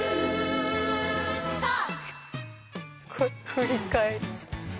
「振り返り」